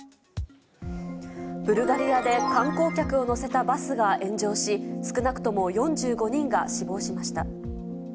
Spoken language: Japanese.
ブルガリアで観光客を乗せたバスが炎上し、少なくとも４５人が死亡しました。